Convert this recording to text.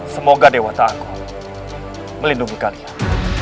semoga dewata aku melindungi kalian